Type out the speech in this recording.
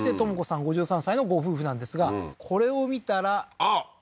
５３歳のご夫婦なんですがこれを見たらあっ！